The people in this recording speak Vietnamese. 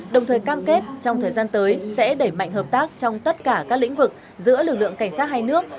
đồng thời cam kết trong thời gian tới sẽ đẩy mạnh hợp tác trong tất cả các lĩnh vực giữa lực lượng cảnh sát hai nước